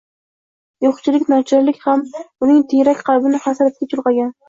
yo’qchilik, nochorlik ham uning tiyrak qalbini hasratga chulg’agan.